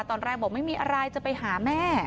ตอนแรกบอกไม่มีอะไรจะไปหาแม่